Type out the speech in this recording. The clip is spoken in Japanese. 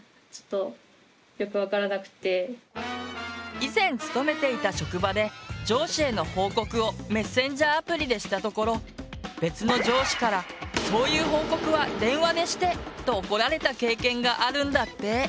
以前勤めていた職場で上司への報告をメッセンジャーアプリでしたところ別の上司から「そういう報告は電話でして！」と怒られた経験があるんだって。